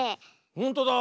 ほんとだ。